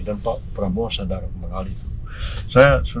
dan pak prabowo sadar mengalami itu